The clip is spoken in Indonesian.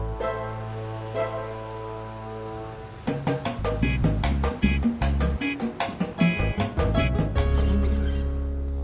nanti kamu semprot